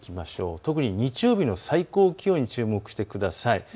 特に日曜日の最高気温に注目してください。